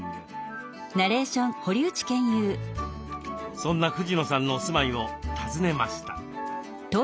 そんな藤野さんのお住まいを訪ねました。